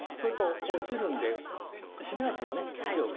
落ちるんで締めますよね強く。